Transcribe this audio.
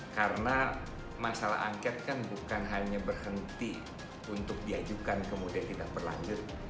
karena masalah angket kan bukan hanya berhenti untuk diajukan kemudian tidak berlanjut